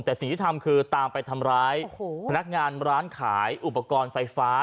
แต่สิ่งที่ทำคือตามไปทำร้ายพนักงานร้านขายอุปกรณ์ไฟฟ้า